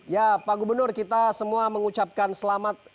ya pak gubernur kita semua mengucapkan selamat